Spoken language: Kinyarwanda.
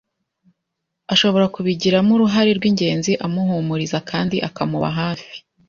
ashobora kubigiramo uruhare rw’ingenzi amuhumuriza kandi akamuba hafi.